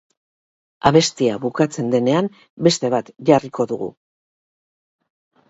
Abestia bukatzen denean beste bat jarriko dugu.